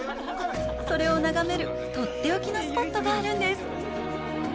それを眺める取って置きのスポットがあるんです。